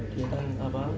dia kan apa